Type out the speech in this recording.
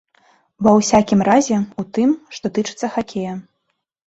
Ва ўсякім разе, у тым, што тычыцца хакея.